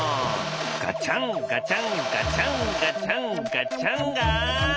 ガチャンガチャンガチャンガチャンガチャンガ！